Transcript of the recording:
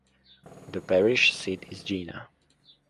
The parish seat is Jena.